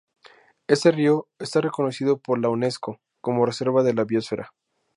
Este río está reconocido por la Unesco como reserva de la biosfera.